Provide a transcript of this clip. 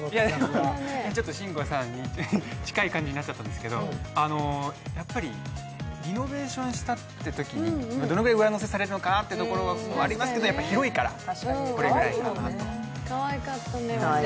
慎吾さんに近い感じになっちゃったんですけど、やっぱりリノベーションしたってときにどのくらい上乗せさせるのかなというところがありますけど、やっぱり広いからこれぐらいかなと思って。